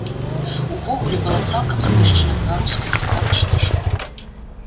Увогуле, была цалкам знішчана беларуская гістарычная школа.